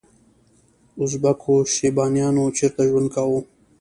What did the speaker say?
ازبکو شیبانیانو چیرته ژوند کاوه؟